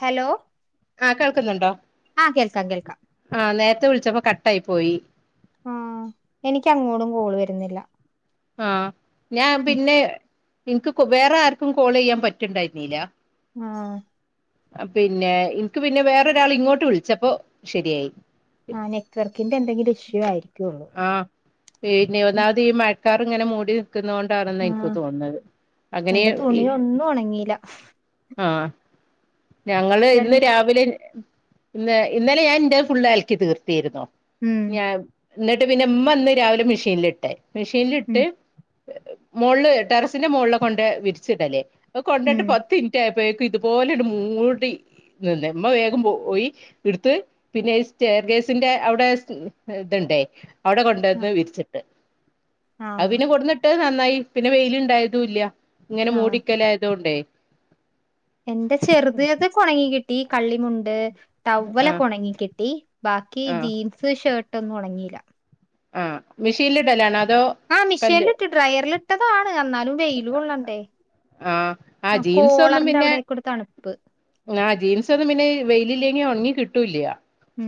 Hello ആഹ് കേൾക്കുന്നുണ്ടോ ആഹ് കേൾക്കാം കേൾക്കാം ആഹ് നേരത്തെ വിളിച്ചപ്പോ കട്ടായി പോയി ആഹ് എനിക്ക് അങ്ങോട് കോൾ വരുന്നില്ല ആഹ് ഞാൻ പിന്നെ ഇൻക്ക് വേറെ ആർക്കും കോളയ്യാൻ പറ്റിണ്ടായന്നില്ല ആഹ് പിന്നെ ഇൻക്ക് പിന്നെ വേറൊരാൾ ഇങ്ങോട്ട് വിളിച്ചപ്പോ ശെരിയായി ആഹ് നെറ്റ്‌വർക്കിന്റെ എന്തെങ്കിലും ഇഷ്യൂ ആയിരിക്കുവുള്ളൂ ആഹ് പിന്നെ ഒന്നാമത് ഈ മഴക്കാർ ഇങ്ങനെ മൂടി ക്കുന്നോണ്ടാണെന്ന് ഇൻക്ക് ആഹ് തോന്നുന്നത് അങ്ങനേ എന്റെ തുണി ഈഹ് ഒന്നും ഉണങ്ങിയില്ല ആഹ് ഞങ്ങള് ഇന്ന് രണ്ട് രാവിലെ ഇന്ന് ഇന്നലെ ഞാൻ എന്റെത് ഫുള്ള് അലക്കി തീർത്തീരുന്നു ഉം ഞാൻ എന്നിട്ട് പിന്നെ ഉമ്മ ഇന്ന് രാവിലെ മെഷീനിലിട്ട് മെഷീനിലിട്ട് ഉം മൊള് ടെറസ്ന്റെ മോള്ലാ കൊണ്ടയി വിര്ച്ചിടൽ പ്പ കൊണ്ടയ്ട്ട് ഉം പത്ത്ൻറ്റ് ആയപ്പോഴേക്കും ഇത്. പോലെണ്ട് മൂടി നിന്ന് മ്മ വേഗം പോയി. ഇട്ത്ത് പിന്നെ സ്റ്റർഗേസിന്റെ അവ്ടെ ഇത്ണ്ടേ. അവ്ടെ ആഹ് കൊണ്ടന്ന് വിരിച്ചിട്ട് ആഹ് അഹ്പിന്നെ കൊട്ന്ന്. ട്ട നന്നായി പിന്നെ വെയിലുണ്ടായതൂല്ല ഇങ്ങനെ ആഹ് മൂടിക്കലായതോണ്ടേ. എന്റെ ചെർതെയത് ക്കെണങ്ങി കിട്ടി കള്ളിമുണ്ട്. ആഹ് ടവ്വലക്കെ ഒണങ്ങി കിട്ടി ബാക്കി ആഹ് ജീൻസ് ഷർട്ട് ഒന്നും ഒണങ്ങില. ആഹ് മിഷീൻൽ ഇടലാണോ അതോ. ആഹ് കല്ല് മിഷീൻൽട്ട് ഡ്രയർൽട്ടതാണ് എന്നാലും വെയിൽ കൊള്ളണ്ടേ. ആഹ് ആഹ് ആ കോളർന്റെ അവ്ടേക്കരു തണപ്പ്. ആ ജീൻസൊന്നും പിന്നെ വെയിലിലെങ്കിൽ ഒണങ്ങി കിട്ടൂല്യ. ഉം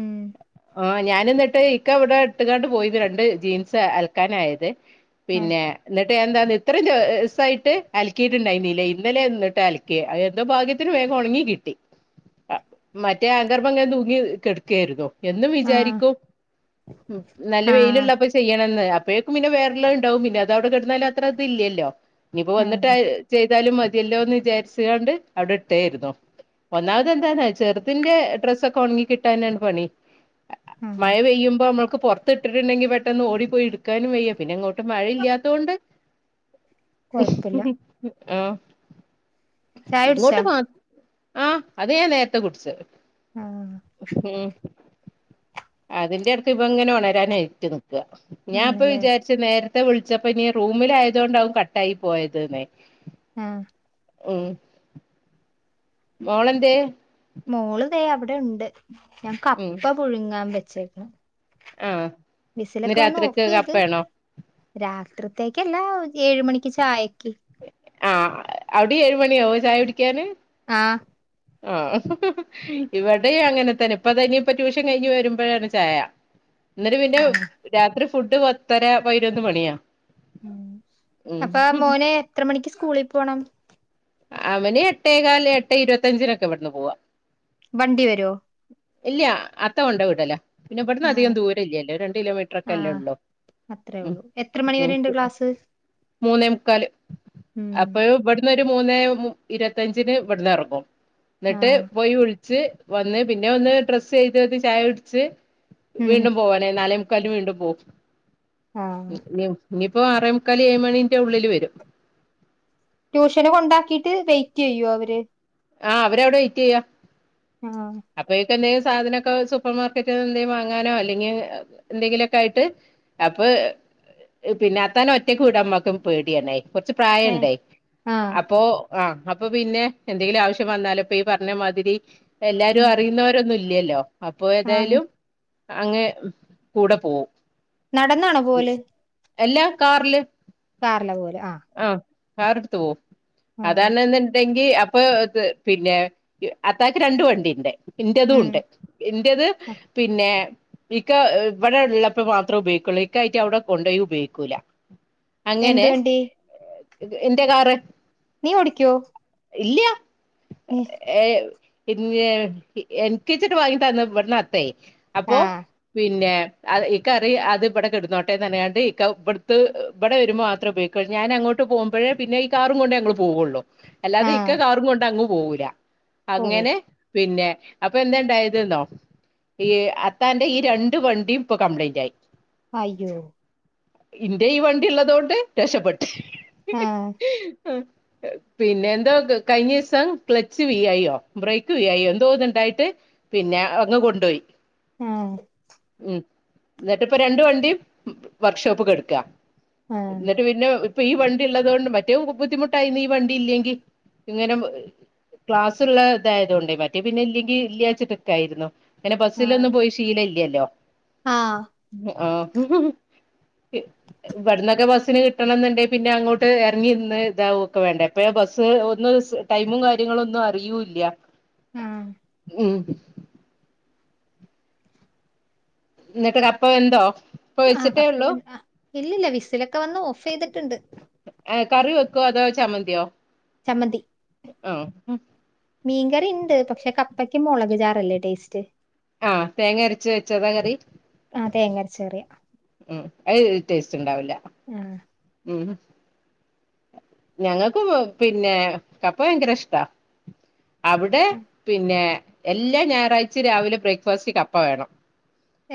ഓ ഞൻന്നട്ട് ഇക്ക ഇവടെ ഇട്ട്കാണ്ട് പോയിന്ന് രണ്ട് ജീൻസെ അൽക്കാനായത് ആഹ് പിന്നേ ഇന്നിട്ട് എന്താത് ഇത്രീം ദിവസായിട്ട് അലക്കീട്ട് ഇണ്ടായ്നില ഇന്നലെ ഇന്നിട്ട് അല ക്യാ അഹ് എന്തോ ഭാഗ്യത്തിന് വേഗം ഒണങ്ങി കിട്ടി അ മറ്റേ ആങ്കർമ്മ ഇങ്ങന തൂങ്ങി കെട് കേർന്നു എന്നും ആഹ് വിചാരിക്കും ഉം നല്ല ആഹ് വെയില്ള്ളപ്പൊ ചി ചെയ്യണന്ന് അപ്പഴേക്കും പിന്നെ വേറെള്ളത്ണ്ടാവും പിന്നെ അതവ്ടെ കെട്ന്നാലും അത്ര ഇതില്ല്യലൊ ഇഞിപ്പൊ ആഹ് വന്ന്ട്ടാ ചെയ്താലും മതിയല്ലോന്ന് വിചാര്ച്ചികാണ്ട് അവ്ടെ ഇട്ടെതെര്ന്നു. ഒന്നാമത് എന്താന്നൊ ചെര്തിന്റേ ഡ്രസ്സൊക്ക ഒണങ്ങികിട്ടി. ട്ടാനാണ് പണി അ അ ആഹ് മഴ പെയ്യുമ്പൊ ഞമ്മൾക്ക് പൊർ ത്തിട്ട്ട്ടിണ്ടെങ്കി പെട്ടെന്ന് ഓടിപ്പോയി ഇട്ക്കാനും വയ്യാ പിന്നെ ഇങ്ങോട്ട് മഴയില്ല്യാതോണ്ട്. കൊഴപ്പില്ല ആഹ് ചായ കുടിച്ചാ ഇങ്ങോട്ട് മാ ആഹ് അത് ഞാ നേര്ത്തെ കുടിച്ച്. ആഹ് ഉം അതിന്റെ എടക്ക്‌ ഇവനിങ്ങനെ ഉണരാനായിറ്റ് ന്നിക്ക ഞാൻ ഇപ്പ ആണല്ലേ വിചാരി ച്ച് നേര്ത്തെ വുളിച്ചപ്പൊ നീ റൂമിലായതോണ്ടാവും കട്ടായി പോയത് ന്നെ ആഹ് ഉം മോളെന്തേ. മോള് ഇതേ അവ്ടെ ഉണ്ട് ഞാൻ ഉം കപ്പ പുഴുങ്ങാൻ വെച്ചേക്ക്ണ് ആഹ് ഇന്ന് വിസിലൊക്കവന്ന് രാത്രിക്ക് ഓഫീത്. കപ്പയാണോ രാത്രിത്തേക്കല്ലാ ഏയ് മണിക്ക് ചായക്ക്. ആഹ് അവ്ടിം ഏയ് മണിആവൊ ചായകുടിക്കാന്. ആഹ് ആഹ് ഇവടയും അങ്ങനെ തന്നെ ഇപ്പത ഇനി ഇപ്പതാ ട്യൂഷൻ കഴിഞ്ഞ് വരുമ്പഴാണ് ചായ. ഇന്നിട്ട് പിന്നെ ആഹ് രാത്രി ഫുഡ്ഡ് പത്തര പതിനൊന്ന് മണിയാ. ഉം ഉം അപ്പ ആഹ് മോന് എത്ര മണിക്ക് സ്കൂളി പോണം. അവന് എട്ടേകാല് എട്ടേ ഇരുപത്തഞ്ചിനൊക്ക ഇവിടുന്ന് പോവ. വണ്ടി വരോ. ഇല്യ അത്ത കൊണ്ട് വിടല. പിന്നെ ആഹ് ഇവിട്ന്നധികം ദൂരല്യല്ലൊ രണ്ട് കിലോമീറ്ററൊക്കല്ലെള്ളു അത്രെള്ളു എത്ര മണിവരേണ്ട് ക്ലാസ്. മൂന്നേ മുക്കാല് ഉം അപ്പയു ഇവ് ട്ട് മൂന്നേ മു ഇരുപത്തഞ്ചിന് ഇവിട്ന്ന് എറങ്ങും ഇന്നിട്ട് ആഹ് പോയി വുൾ ച്ച് വന്ന് പിന്നെ ഒന്ന് ഡ്രസ്സയ്ത് ചായുട്ച്ച് ഉം വീണ്ടും പോവാനായി നാലെമു കാൽന് വീണ്ടും പോവും ആഹ് ഇ ഇനി ഇനിപ്പോ ആറേമുക്കാല് ഏയ് മണിന്റെ ഉള്ളില് വരും. ട്യൂഷന് കൊണ്ടാക്കീട്ട് വെയ്റ്റിയ്യോ അവര്. ആഹ് അവരവ്ടെ വെയ്റ്റിയ്യ. ആഹ് അപ്പയേക്ക് എന്തെങ്കിലും സാധനൊക്കെ സൂപ്പർ മാർക്കറ്റിൽ നിന്ന് എന്തേലും വാങ്ങാനോ അല്ലെങ്കി എന്തെങ്കിലൊക്ക ആയിട്ട് അപ്പോ പിന്ന അത്താനെ ഒറ്റക്ക് വിടാൻ ഉമ്മാക്ക് പേടിയാണെ കൊർച്ച് ഏഹ് പ്രായണ്ടെയ് ആഹ് അപ്പോ ആഹ് അപ്പൊ പിന്നെ എന്തെങ്കിലും ആവശ്യം വന്നാലപ്പൊ ഈ പറഞ്ഞമാതിരി എല്ലാരും ഉം അറിയുന്നവരൊന്നും ഇല്ലല്ലോ അപ്പൊ ആഹ് ഏതായാലും അങ്ങനെ കൂടെ പോവും നടന്നാണോ പോവല് എല്ലാ കാറില് കാറില പോവല് ആഹ് ആഹ് കാറ്‌ട്ത്തു പോവും ആഹ് അതാണ്ന്ന്ണ്ടെ ങ്കി അപ്പൊ പിന്നെ അത്താക്ക് രണ്ടു വണ്ടിണ്ട് ഇന്റതും ഉം ഉണ്ട് ഇന്റത് ആ. പിന്നെ ഇക്ക ഇവടെ ഉള്ളപ്പോ മാത്രം ഉപയോഗിക്കുള്ളൂ ഇക്ക ആയിട്ട് അവിടെ കൊണ്ടോയി ഉപയോഗിക്കൂല എന്ത് അങ്ങനെ വണ്ടി എന്റെ കാറ് നീ ഓടിക്കോ ഇല്ല്യ ഉം ഏഹ് പിന്നെ എൻക്ക്ച്ചിട്ട് വാങ്ങിതന്ന് ഇവിട്ന്ന് അത്തേ അപ്പോ ആഹ് പിന്നെ ഇക്കറിയും അത് ഇവ്ടെ കെട്ന്നോട്ടെർഞ്ഞ്കാണ്ട് ഇക്ക ഇവിടുത്തത് ഇവടെ വരുമ്പോ മാത്രം ഉപയോഗി ക്കാ ഞാൻ അങ്ങോട്ട് പോകുമ്പഴേ പിന്നെ ഈ കാറും കൊണ്ട് ങ്ങങ്ങള് പോവുള്ളൂ അല്ലാതെ ഇക്ക ആഹ് കാറും കൊണ്ട് അങ്ങ് പോവൂല ഓ അങ്ങനെ പിന്നെ അപ്പൊ എന്തേ ഇണ്ടായത് ന്നോ ഈ അത്താന്റെ ഈ രണ്ടു വണ്ടിം ഇപ്പൊ കംപ്ലൈന്റ് ആയി അയ്യോ ഇന്റെ ഈ വണ്ടി ഇള്ളതോണ്ട് രക്ഷപ്പെട്ട് ആഹ് ആഹ് പിന്നെ എന്തോ കയിഞ്ഞീസം ക്ലച്ച് വീയായോ ബ്രേക്ക് വീയായോ എന്തോന്ന് ഇണ്ടായിട്ട് പിന്നെ അങ്ങ് കൊണ്ടോയി ആഹ് ഉം ഇന്നട്ട് ഇപ്പ രണ്ട് വണ്ടിം വർക്ക്ഷോപ്പ് കെട്ക്കാ ഏഹ് പിന്നെ ഇപ്പൊ ഈ വണ്ടി ഉള്ളതോണ്ട് മറ്റേ ബുദ്ധിമുട്ടായിന്ന് ഈ വണ്ടി ഇല്ലെങ്കിൽ ഇങ്ങനെ ക്ലാസ്ള്ള ഇതായതൊണ്ടേ മറ്റേ പിന്നെ ഇല്ലെങ്കിൽ ഇല്ലാച്ചിട്ട് നിക്കായിരുന്നു ഇങ്ങനെ ആഹ് ബസ്സിലൊന്നും പോയി ശീല ഇല്ലല്ലോ ആഹ് ആഹ് ഇവട്ന്നൊക്കെ ബസ് സ്ന് കിട്ടണന്നുണ്ടെ പിന്നെ അങ്ങോട്ട് ഇറങ്ങിന്ന് ഇതാവൊക്കെ വേണ്ടേ എപ്പഴാ ബസ് ഒന്ന് ടൈമും കാര്യങ്ങളും ഒന്നും അറിയൂല്ല്യ ആഹ് ഉം ഇന്നിട്ട് കപ്പ വെന്തോ ഇപ്പൊ ആഹ് വെച്ചിട്ടേ കപ്പ ഉള്ളൂ വെ ഇല്ലില്ല വിസിലൊക്കെ വന്ന് ഓഫ് ചെയ്തിട്ടുണ്ട് ഏഹ് കറി വെക്കോ അതോ ചമ്മന്തിയോ ചമ്മന്തി ആഹ് മീൻ കറി ഇണ്ട് പക്ഷെ കപ്പയ്ക്ക് മുളക് ചാറല്ലേ ടേസ്റ്റ് ആഹ് തേങ്ങ അരച്ച് വെച്ചതാ കറി ആഹ് തേങ്ങര്ച്ച കറിയ ഉം അത് ടേസ്റ്റ് ഇണ്ടാവൂല്ല ആഹ് ഉം ഞങ്ങക്കും പിന്നെ കപ്പ ഭയങ്കര ഇഷ്ടാ അവ്ടെ പിന്നെ എല്ലാ ഞായറാഴ്ച രാവിലെ ബ്രേക്ക്ഫാസ്റ്റ്ന് കപ്പ വേണം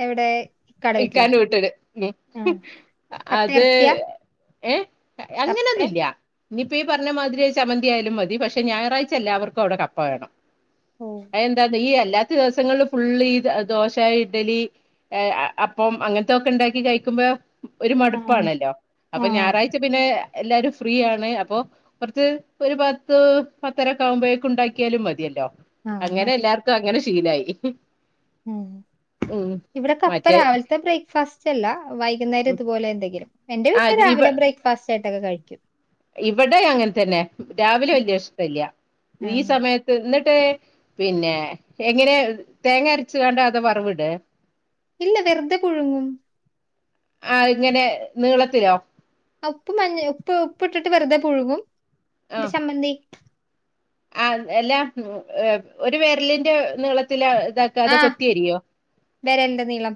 എവിടെ ഇക്കാടെ വീട്ടിലാ ഇക്കാന്റെ വീട്ടില് ആഹ് കപ്പ അത് ഇറച്ചിയാ ഏഹ് അങ്ങനെ ഒന്നും കപ്പേം ഇല്ല്യ ഇനിയിപ്പോ ഈ പറഞ്ഞ മാതിരി ചമന്തിയാലും മതി പക്ഷെ ഞായറാഴ്ച എല്ലാവർക്കും അവിടെ കപ്പ വേണം ഉം എന്താത് ഈ അല്ലാത്ത ദിവസങ്ങളിൽ ഫുള് ഈ ദോശ ഇഡലി ഏഹ് അപ്പം അങ്ങനത്തൊക്കെ ഉണ്ടാക്കി കഴിക്കുമ്പോ ഒരു ആഹ് മടുപ്പാണല്ലോ അപ്പൊ ആഹ് ഞായറാഴ്ച പിന്നെ എല്ലാരും ഫ്രീ ആണ് അപ്പൊ കുറച്ച് ഒരു പത്ത് പത്തരക്കെ ആകുമ്പോഴേക്ക് ഉണ്ടാക്കിയാലും മതിയല്ലോ ആഹ് അങ്ങനെ മതി എല്ലാർക്കും അങ്ങനെ ശീലായി ഉം ഉം ഇവിടെ കപ്പ മറ്റേ രാവിലത്തെ ബ്രേക്ക്ഫാസ്റ്റ് അല്ല വൈകുന്നേരം ഉം. ഇതുപോലെ എന്തെങ്കിലും എന്റെ ആ വീട്ടില് ഈ രാവിലെ പ- ബ്രേക്ക്ഫാസ്റ്റ് ആയിട്ടൊക്കെ കഴിക്കും ഇവിടെ അങ്ങനെ തന്നെ രാവിലെ വല്യഷ്ട്ടല്ല ഈ ഉം. സമയത്ത് എന്നിട്ട് പിന്നെ എങ്ങനെ തേങ്ങ അരച്ചുകണ്ട അതൊ വറവിടെ ഇല്ല വെറുതെ പുഴുങ്ങും ആഹ് ഇങ്ങനെ നീളത്തിലോ ഉപ്പ് മഞ്ഞ ഉപ്പ് ഉപ്പ് ഇട്ടിട്ട് വെറുതെ പുഴുങ്ങും ന്നിട്ട് ചമ്മന്തി ആഹ് അല്ലാ ഒരു വിരലിന്റെ നീളത്തില് ഇതാക്ക അതൊ കൊത്തിയരിയോ വെരൽന്റെ നീളം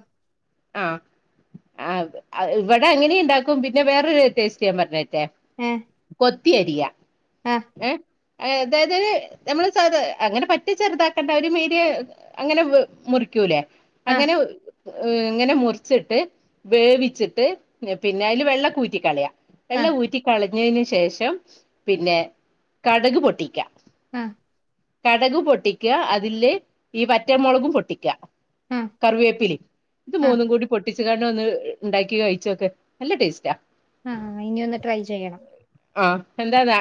ആഹ് ആ ഇവിടെ അങ്ങനെ ഉണ്ടാക്കും പിന്നെ വേറൊരു ടേസ്റ്റ് ഞാൻ പറഞ്ഞേരട്ടെ ഏഹ് കൊത്തിയരിയ ഏഹ് അതായത് നമ്മള് സാദാ അങ്ങനെ പറ്റെ ചെറുതാക്കേണ്ട ഒരു മീഡിയ അങ്ങനെ വേ മുറിക്കൂലേ ആ അങ്ങനെ ഇങ്ങനെ മുറിച്ചിട്ട് വേവിച്ചിട്ട് പിന്നെ അതില് വെള്ളൊക്കെ ഊറ്റിക്കളയാ ആ വെള്ളം ഊറ്റി കളഞ്ഞതിന് ശേഷം പിന്നെ കടുക് പൊട്ടിക്കാ ആഹ് കടുകും പൊട്ടിക്ക അതില് ഈ വറ്റൽമുളകും പൊട്ടിക്ക ആ കറിവേപ്പിലിം ഇത് ആ മൂന്നും കൂടി പൊട്ടി കാണ്ട് ഒന്ന് ഉണ്ടാക്കി കഴിച്ചോക്ക് നല്ല ടേസ്റ്റാ ആഹ് ഇനി ഒന്ന് ട്രൈ ചെയ്യണം ആഹ് എന്താ താ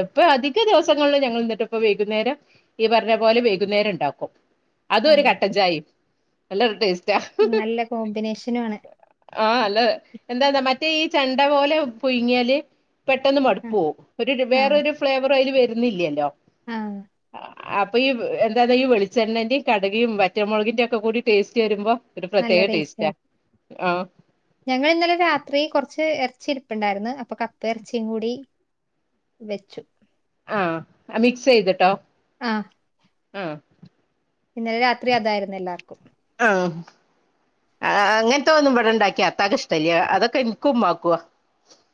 ഇപ്പ അധിക ദിവസങ്ങളിൽ ഞങ്ങൾ ഇന്നിട്ട് ഇപ്പ വൈകുന്നേരം ഈ പറഞ്ഞ പോലെ വൈകുന്നേരം ണ്ടാക്കും അതും ആ ഒരു കട്ടഞ്ചായയും നല്ലൊരു ടേസ്റ്റാ നല്ല കോമ്പിനേഷനും ആണ് ആഹ് അല്ല എന്താന്നാ മറ്റേ ഈ ചെണ്ട പോലെ പുഴുങ്ങിയാല് പെട്ടെന്ന് ആ മടുപ്പവും ഒരു ആ വേറൊരു ഫ്ലേവർ അതിൽ വരുന്നില്ലല്ലോ ആഹ് ആ, അപ്പൊ ഈ എന്താ ഈ വെളിച്ചെണ്ണന്റെയും കടുകും വറ്റമുളകിന്റെ ഒക്കെ കൂടി ടേസ്റ്റ് വരുമ്പോ ഒരു നല്ല പ്രത്യേക ടേസ്റ്റ് ടേസ്റ്റാ ആയിരിക്കും ആഹ് ഞങ്ങൾ ഇന്നലെ രാത്രി കുറച്ച് ഇറച്ചി ഇരിപ്പ്ണ്ടായിരുന്നു അപ്പൊ കപ്പ ഇറച്ചിയും കൂടി വെച്ചു ആഹ് അഹ് മിക്സ് ചെയ്തിട്ടോ ആഹ് ആഹ് ഇന്നലെ രാത്രി അതായിരുന്നു എല്ലാവർക്കും ആഹ് ആ അങ്ങനത്തൊന്നും ഇവിടെണ്ടാക്കിയ അത്താകിഷ്ടല്ല്യ അതൊക്കെ എനക്കുമ്മാക്കുവാ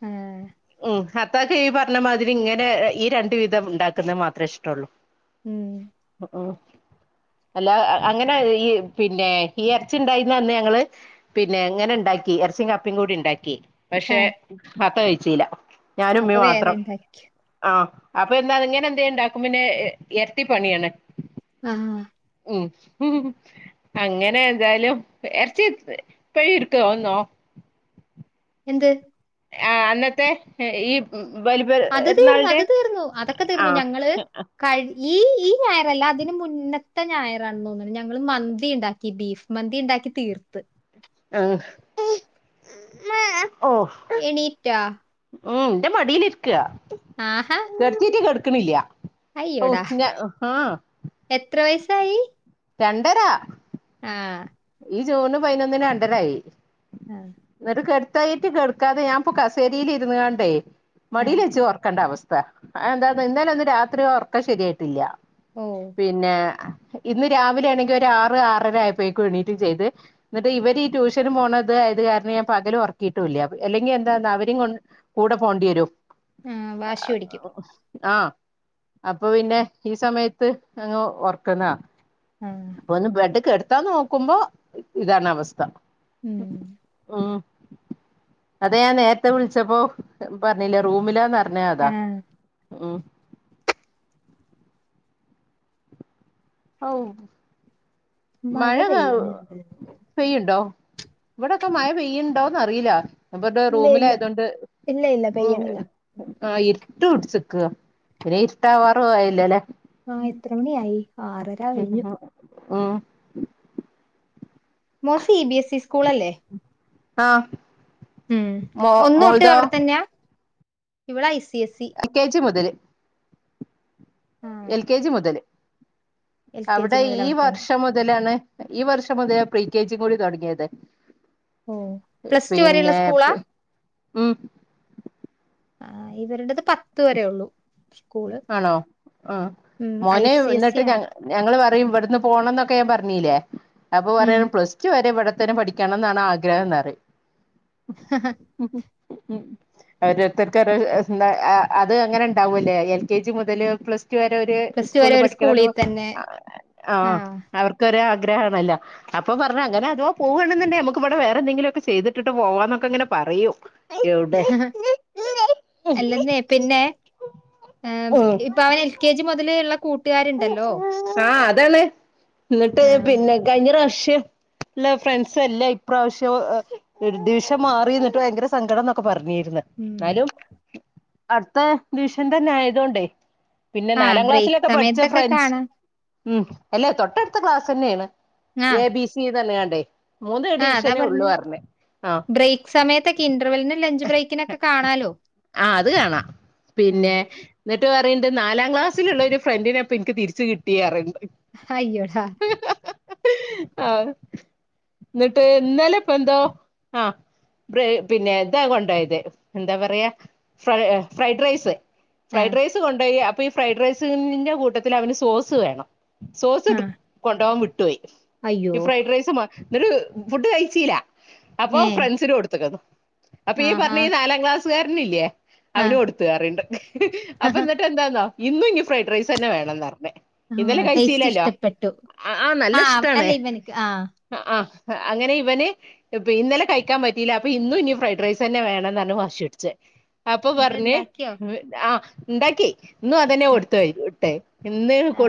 ആഹ് ഉം ഹത്താക് ഈ പറഞ്ഞ മാതിരി ഇങ്ങനെ ഈ രണ്ടു വിധം ഉണ്ടാക്കുന്നത് മാത്രേ ഇഷ്ടള്ളു ഉം ഉം അല്ലാ അങ്ങനെ ഈ പിന്നെ ഈ എർച്ചി ണ്ടായ്ന്ന അന്ന് ഞങ്ങള് പിന്നെ ങ്ങനെ ണ്ടാക്കി എർച്ചിം കപ്പേം കൂടി ണ്ടാക്കി. പക്ഷെ ആഹ് വാപ്പ കഴിചീല. ഞാനും അപ്പൊ മ്മീം വേറെ മാത്രം ഇണ്ടാക്കി ആ അപ്പൊ പിന്നെ ഇങ്ങനെ എന്തേ ണ്ടാക്കും പിന്നെ എര്ട്ടിപ്പണിയാണ്. ആഹ് ഉം അങ്ങനെ എതായാലും എർച്ചി ഇപ്പഴും [unintelligible] എന്ത്? ആ അന്നത്തെ ഈ ബലി അത് തീർന്നു പെരുന്നാളിന്റെ ആ. കഴിഞ് ഈ ഈ ഞായർ അല്ല അതിന് മുന്നത്തെ ഞായറാണന്ന് തോന്ന്ണ് ഞങ്ങള് മന്തി ണ്ടാക്കി ബീഫ് മന്തി ണ്ടാക്കി തീർത്ത്. [unintelligible] എണീറ്റോ? ഓ ഇന്റെ മടീല് ര്ക്കാ ആഹാ കെട്ത്തീറ്റ് കെട്ക്ക്ണില്ല്യാ ഓ അയ്യോടാ ങ്ക ആ എത്ര വയസ്സായീ? രണ്ടരാ ആഹ് ഈ ജൂണ് പയ്നൊന്നിന് രണ്ടരായി. ആഹ് ന്നിട്ട് കെട്ത്തയ്റ്റ് കെട്ക്കാതെ ഞാൻപ്പോ കസേരീല് ഇര്ന്ന്കാണ്ടേയ് ആഹ് മടീലെച്ച് ഒർക്കണ്ട അവസ് ത്താ അത് എന്താന്നോ ഇന്നലെ ഒന്നും രാത്രി ഒർക്കം ശരിയായ്ട്ടില്ല്യ ഓ പിന്നേ ഇന്ന് രാവിലെ ആണെങ്കി ഒരു ആറ് ആറര ആയപ്പഴേക്കും എണീറ്റും ചെയ്ത് എന്നിട്ട് ഇവര് ഈ ട്യൂഷന് പോണത് ആയത് കാര്ണം ഞാൻ പകലും ഒർക്കിയിട്ടും ഇല്ല്യാ അല്ലെങ്കി എന്താന്നാ അവരിം കൊണ്ട് കൂടെ പോണ്ടി വരും. ആഹ് വാശി പിടിക്കും ആ അപ്പൊ പിന്നെ ഈ സമയത്ത് അങ്ങ് ഒർക്ക്ന്നതാ. ആഹ് അപ്പൊ ഒന്ന് ബെഡ് കെടത്താൻ നോക്കുമ്പോ ഇതാണ് അവസ്ഥ. ഉം ഉം അതെ ഞാൻ നേര്ത്തെ വിൾച്ചപ്പോ പർഞ്ഞില്ലേ റൂമിലാന്നർ പർഞ്ഞേ അതാ ആഹ് ഉം. മഴ [unintelligible] പെയ്യണുണ്ട് പെയ്യ്ണ്ടോ ഇവിടൊക്കെ മഴ പെയ്യ്ണ്ടോന്ന് അറിയില്ല. ഇവടെ ഇല്ല ഇല്ല റൂമിലായ്തോണ്ട് ഇല്ല ഇല്ല ഉം പെയ്യണില്ല ആ ഇര്ട്ട് പുട്ച്ച്ക്കാ പിന്നെ ഇരുട്ടാവാറു ആയില്ല ലേ ആ എത്ര മണിയായി? ആറര കഴിഞ്ഞു [unintelligible] മോൻ C B S E school അല്ലേ? ആഹ് ഉം. ഒന്ന്തെട്ട് അവ്ടെ തന്നെയാ? ഇവ്ടെ I C S C L K G മുതല് ആഹ് എൽ കെ ജി മുതല് എൽ കെ ജി അവ്ടെ മുതൽ ഈ അവിടെ തന്നെ വർഷം മുത് മുതലാണ് ഈ വർഷം മുതലാണ് പ്രീകേജി കൂടി താെട്ങ്ങേത് ഓ പ്ലസ് ടു വരെയുള്ള പിന്നെ സ്കൂളാ ഉം ആഹ് ഇവരുടത് പത്ത് വരേ ഒള്ളൂ ആണോ ആഹ് ഉം ഐ മോനെ സി എസ് ഇ ഇന്നട്ട് ഞ ആണ് ഞങ്ങള് പറയും ഇവട്ന്ന് പോണംന്നൊക്കെ ഞാൻ പറഞ്ഞീല്ലേ അപ്പൊ ഉം പറയ പ്ലസ് സ്ടു വരെ ഇവടെ തന്നെ പഠിക്കണം ന്നാണ് ആഗ്രഹം ന്നറയിം ഹ ഹ ഓരോരുത്തർക്ക് ഓരോ എന്താ അ അത് അങ്ങനെ ഇണ്ടാവൂലേ എൽ കെ ജി മുതൽ പ്ലസ് ടു വരെ ഒര് പ്ലസ് ടു വരെ സ്കൂളിൽ ഒരു പഠിക്കണംന്ന് തന്നെ ആഹ് അവർക്ക് ക്കൊരാഗ്രഹാണല്ലോ അപ്പൊ പർഞ്ഞു അങ്ങനെ അഥവാ പോവണ്ന്ന്ണ്ടേ നമക്ക് ഇവടെ വേറെ എന്തെങ്കിലൊക്കെ ചെയ്തിട്ട് പോവാന്നക്കെങ്ങനെ പറയും എവിടെ അല്ലെന്നേ പിന്നെ ആഹ് ഉം ഇപ്പഅവന്എൽ കെ ജി മുതല്ള്ള കൂട്ടുകാര്ണ്ടല്ലോ ആഹ് അതാണ് ഇന്നട്ട് ആഹ് പിന്നെ കഴിഞ്ഞ പ്രാവ്ശ്യം ഇല്ല ഫ്രണ്ട്സല്ല ഇപ്രാവശ്യം ഡിവിഷൻ മാറി ഇന്നട്ട് ഭയങ്കര സങ്കടംന്നൊക്കെ പറഞ്ഞീര്ന്ന് ഉം ന്നാലും അട്ത്ത ഡിവിഷൻ തന്നെ ആയതോണ്ടേ പിന്നെ ആഹ് നാലാം ബ്രേക്ക് ക്ലാസ്സിലൊക്കെ പഠിച്ച സമയത്തൊക്കെ ഫ്രണ്ട്സ് കാണാ ഉം അല്ല തൊട്ടട്ത്ത ക്ലാസന്നേണ് എ ആഹ് ബി സി ന്നർഞ്ഞ് കാണ്ടേ ആഹ് അതാ പർഞ്ഞേ ആഹ് ബ്രേക്ക് സമയത്തൊക്കെ ഇന്റർവെലിനും ലഞ്ച് ബ്രേക്കിനൊക്കെ കാണാലോ ആഹ് അത് കാണാ പിന്നെ ആഹ് ന്നട്ട് പറീണ്ട് നാലാം ക്ലാസ്സില്ള്ള ഒരു ഫ്രണ്ടിനെ ഇപ്പ ഇൻക്ക് തിരിച്ച് കിട്ടി അറീണ്ട് ഹയ്യോടാ ഇന്നട്ട് ഇന്നലെ ഇപ്പന്തോ ആഹ് ഫ്രയ് പിന്നെ ഇതാ കൊണ്ടയ്ത് എന്താ പറയാ ഫ്രൈ ഫ്രൈഡ് റൈസ് ആഹ് ഫ്രൈഡ് റൈസ് കൊണ്ടാേയി അപ്പ ഈ ഫ്രൈഡ് റൈസിന്റെ കൂട്ടത്തില് അവന് സോസ് വേണം സോസ് ആ ട് കൊണ്ടാേവാൻ വിട്ടോയി അയ്യോ! ഈ ഫ്രൈഡ് റൈസ് മ ന്നട് ഫുഡ് കഴിച്ചീല്ല അപ്പൊ ഏ ഫ്രണ്ട്സിന് കൊടുത്ത് ക്കത് അപ്പൊ ഈ ആഹാ! പർഞ്ഞ ഈ നാലാം ക്ലാസ് കാരന് ഇല്ലേ ആ. അവന് കൊടുത്തു അറീണ്ട് അപ്പൊ ഹഹ. ന്നട്ട് എന്താന്നോ ഇന്നും ഇനി ഫ്രൈഡ് റൈസ് തന്നെ വേണംന്നർഞ്ഞ് ആ ഇന്നെലെ ടേസ്റ്റ് കഴിച്ചീല്ലല്ലോ ഇഷ്ടപ്പെട്ടു. ആഹ് ആഹ് നല്ല ആ ഇഷ്ട്ടാണ് അല്ല ഇവനിക്ക്. ആ. അഹ്ആഹ് അങ്ങനെ ഇവന് ഇപ്പൊ ഇന്നലെ കഴിക്കാൻ പറ്റീല്ല അപ്പൊ ഇന്നും ഇനി ഫ്രൈഡ് റൈസ് തന്നെ വേണം ന്നർഞ്ഞ് വാശുട്ച്ചാ അപ്പൊ എന്നിട്ട് പർഞ്ഞ് ഇണ്ടാക്കിയോ? ആഹ് ഇണ്ടാക്കി ഇന്നും അതന്നെ ആ. കൊടുത്താെയ് ഇട്ടെ ഇന്ന് ആ. കൊട്